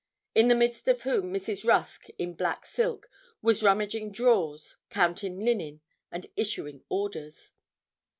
In the midst of whom Mrs. Rusk, in black silk, was rummaging drawers, counting linen, and issuing orders.